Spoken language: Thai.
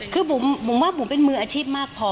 คือบุ๋มว่าบุ๋มเป็นมืออาชีพมากพอ